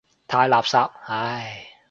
太垃圾，唉。